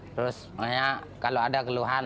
terus kalau ada keluhan